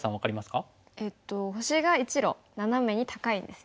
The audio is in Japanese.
えっと星が１路ナナメに高いんですよね。